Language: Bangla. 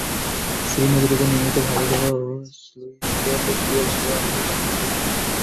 শ্রী নদীর ওপর নির্মিত ভবদহ স্লুইসগেট দিয়ে ভবদহ অঞ্চলের পানি নিষ্কাশিত হয়।